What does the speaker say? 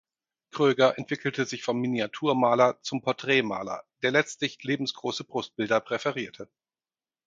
Gröger entwickelte sich vom Miniaturmaler zum Porträtmaler, der letztlich lebensgroße Brustbilder präferierte.